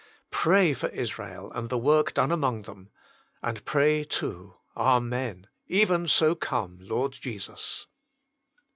Pray for Israel and the work done among them. And pray too : Amen. Even so, come, Lord Jesus